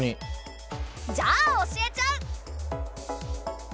じゃあ教えちゃう！